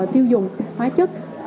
tiêu dùng hóa chất